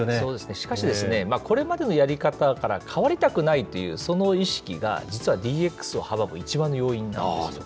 しかしですね、これまでのやり方から変わりたくないというその意識が、実はＤＸを阻む一番の要因なんです。